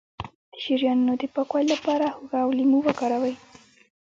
د شریانونو د پاکوالي لپاره هوږه او لیمو وکاروئ